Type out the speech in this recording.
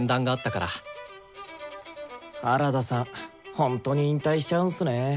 ほんとに引退しちゃうんすね。